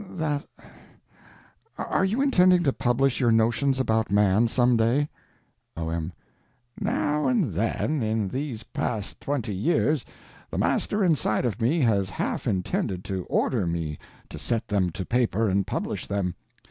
that... are you intending to publish your notions about Man some day? O.M. Now and then, in these past twenty years, the Master inside of me has half intended to order me to set them to paper and publish them.